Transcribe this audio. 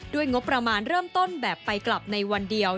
งบประมาณเริ่มต้นแบบไปกลับในวันเดียว